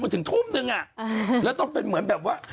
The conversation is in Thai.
ถึงทุ่มนึงแล้วต้องเป็นเหมือนแบบว่า